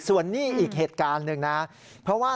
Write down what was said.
ส่วนนี้อีกเหตุการณ์หนึ่งนะเพราะว่า